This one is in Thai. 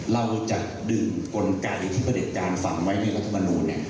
เราจะดึงกลไกที่พระเด็จการฝังไว้ในรัฐมนูล